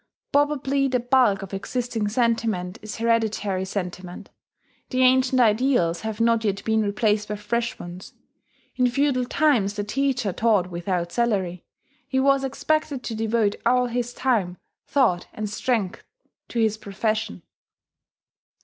Probably the bulk of existing sentiment is hereditary sentiment: the ancient ideals have not yet been replaced by fresh ones.... In feudal times the teacher taught without salary: he was expected to devote all his time, thought, and strength to his profession.